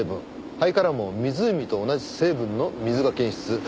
肺からも湖と同じ成分の水が検出。